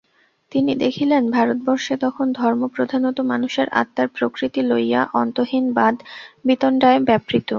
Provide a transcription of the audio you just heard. তিনি দেখিলেন, ভারতবর্ষে তখন ধর্ম প্রধানত মানুষের আত্মার প্রকৃতি লইয়া অন্তহীন বাদ-বিতণ্ডায় ব্যাপৃত।